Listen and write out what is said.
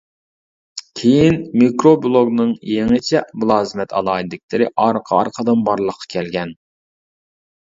كېيىن مىكرو بىلوگنىڭ يېڭىچە مۇلازىمەت ئالاھىدىلىكلىرى ئارقا-ئارقىدىن بارلىققا كەلگەن.